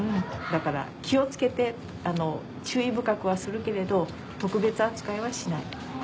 だから気を付けて注意深くはするけれど特別扱いはしない。